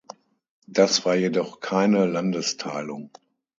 Das war jedoch keine Landesteilung.